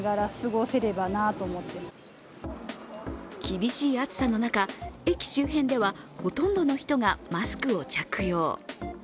厳しい暑さの中、駅周辺ではほとんどの人がマスクを着用。